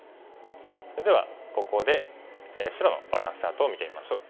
それではここで白のバランスチャートを見てみましょう。